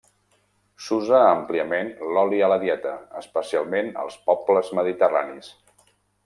S'usa àmpliament l'oli a la dieta, especialment als pobles mediterranis.